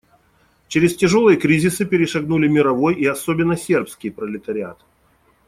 Через тяжелые кризисы перешагнули мировой и особенно сербский пролетариат.